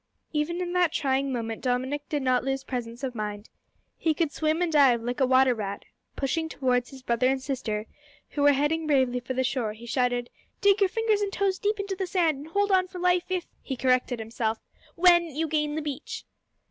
Even in that trying moment Dominick did not lose presence of mind. He could swim and dive like a water rat. Pushing towards his brother and sister, who were heading bravely for the shore, he shouted, "Dig your fingers and toes deep into the sand, and hold on for life, if " (he corrected himself) "when you gain the beach."